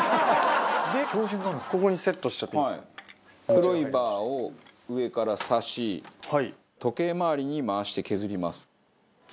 黒いバーを上からさし時計回りに回して削ります。